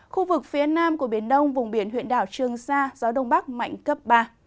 khu vực phía nam của biển đông vùng biển huyện đảo trường sa gió đông bắc mạnh cấp ba